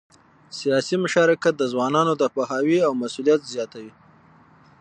سیاسي مشارکت د ځوانانو د پوهاوي او مسؤلیت زیاتوي